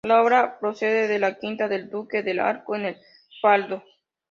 La obra procede de la Quinta del Duque del Arco en El Pardo.